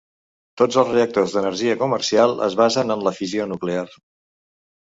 Tots els reactors d'energia comercial es basen en la fissió nuclear.